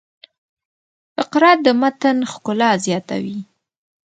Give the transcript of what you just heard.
فقره د متن ښکلا زیاتوي.